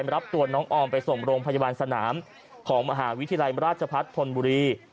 รับตัวน้องออมไปส่งโรงพยาบาลสนามของมหาวิทยาลัยราชพัฒนธนบุรี